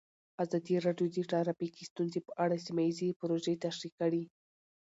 ازادي راډیو د ټرافیکي ستونزې په اړه سیمه ییزې پروژې تشریح کړې.